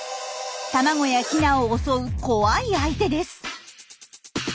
卵やヒナを襲う怖い相手です。